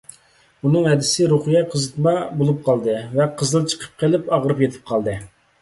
ئۇنىڭ ھەدىسى رۇقىيە قىزىتما بولۇپ قالدى ۋە قىزىل چىقىپ قېلىپ ئاغرىپ يېتىپ قالدى.